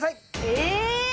え！